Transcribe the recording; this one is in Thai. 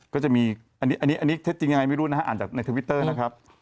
ก็จะมีอันนี้เท็จจริงยังไงไม่รู้นะฮะอ่านจากในทวิตเตอร์นะครับ